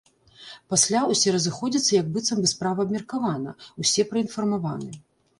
Пасля ўсе разыходзяцца як быццам бы справа абмеркавана, усе праінфармаваны.